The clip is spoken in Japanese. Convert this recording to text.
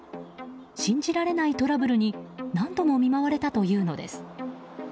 信じられないトラブルに何度も見舞われたというのです。